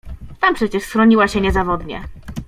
"Tam przecież schroniła się niezawodnie."